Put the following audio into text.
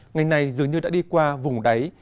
ngành này dường như đã đi qua vùng đáy